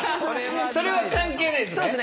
それは関係ないですね？